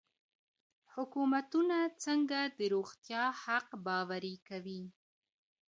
حکومتونه څنګه د روغتیا حق باوري کوي؟